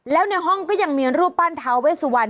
แล้วในห้องก็ยังมีรูปปั้นท้าเวสวัน